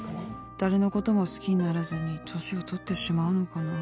誰のことも好きにならずに年をとってしまうのかな